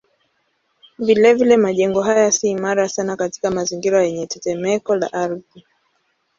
Vilevile majengo haya si imara sana katika mazingira yenye tetemeko la ardhi.